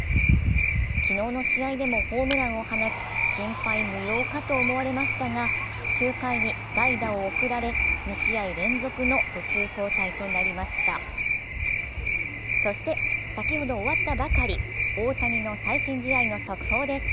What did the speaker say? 昨日の試合でもホームランを放ち、心配無用かと思われましたが９回に代打を送られ２試合連続の途中交代となりましたそして先ほど終わったばかり、大谷の最新試合の速報です。